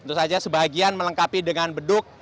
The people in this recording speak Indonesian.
tentu saja sebagian melengkapi dengan beduk